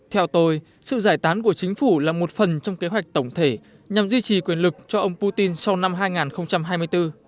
theo tôi sự giải tán của chính phủ là một phần trong kế hoạch tổng thể nhằm duy trì quyền lực cho ông putin sau năm hai nghìn hai mươi bốn